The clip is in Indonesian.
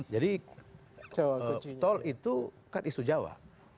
jadi tol itu kan isu jawa